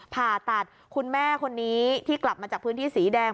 ผ่าตัดคุณแม่คนนี้ที่กลับมาจากพื้นที่สีแดง